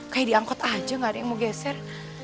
kayak diangkut aja nggak ada yang mau geser